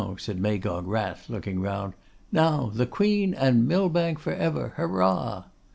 said Magog Wrath, looking around. 'Now, the Queen and Millbank for ever! Hurrah!